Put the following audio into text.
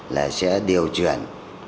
là sẽ điều chuyển